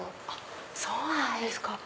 そうなんですか。